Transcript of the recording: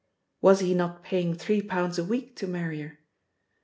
Was he not paying three pounds a week to Marrier?